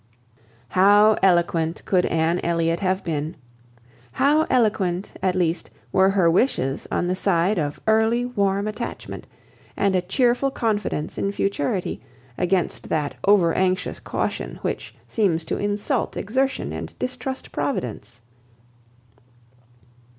How eloquent could Anne Elliot have been! how eloquent, at least, were her wishes on the side of early warm attachment, and a cheerful confidence in futurity, against that over anxious caution which seems to insult exertion and distrust Providence!